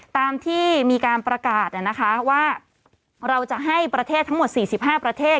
ตามที่มีการประกาศว่าเราจะให้ประเทศทั้งหมด๔๕ประเทศ